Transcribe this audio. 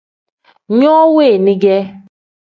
No weni ge.